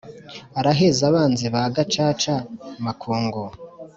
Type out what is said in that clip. Araheza abanzi ba Gaca-makungu.